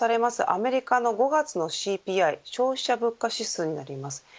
アメリカの５月のＣＰＩ消費者物価指数になります。